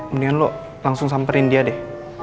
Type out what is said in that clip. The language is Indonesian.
mendingan lo langsung samperin dia deh